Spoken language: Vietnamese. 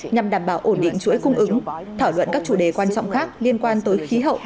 nhằm đảm bảo ổn định chuỗi cung ứng thảo luận các chủ đề quan trọng khác liên quan tới khí hậu